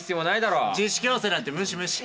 自粛要請なんて無視無視。